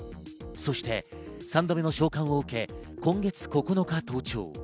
そして３度目の召喚を受け、今月９日、登庁。